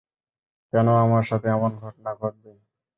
কেন আমার সাথে এমন ঘটনা ঘটবে?